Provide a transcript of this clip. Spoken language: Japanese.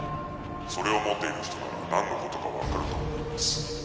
それを持っている人なら何のことか分かると思います